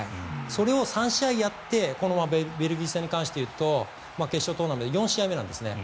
それを３試合やってこのベルギー戦に関して言うと決勝トーナメント４試合目なんです。